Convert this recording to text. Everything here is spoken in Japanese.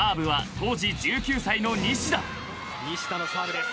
西田のサーブです。